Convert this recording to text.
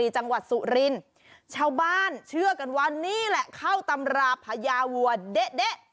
จังหวัดสุรินทร์ชาวบ้านเชื่อกันว่านี่แหละเข้าตำราพญาวัวเด๊ะ